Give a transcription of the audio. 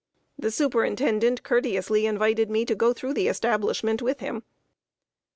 The superintendent courteously invited me to go through the establishment with him.